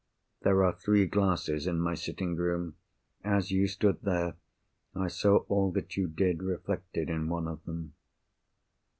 "There are three glasses in my sitting room. As you stood there, I saw all that you did, reflected in one of them."